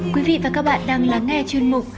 quý vị và các bạn đang lắng nghe chuyên mục